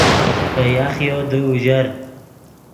پے یاخیو دے اوژر